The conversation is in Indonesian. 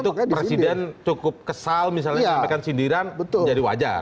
itu presiden cukup kesal misalnya sampaikan sindiran menjadi wajar